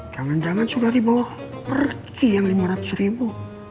jangan jangan sudah dibawa pergi yang lima ratus ribu